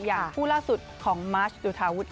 อย่างคู่ล่าสุดของมาร์ชดูทาวุท